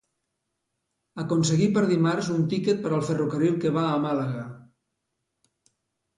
Aconseguir per dimarts un tiquet per al ferrocarril que va a Màlaga.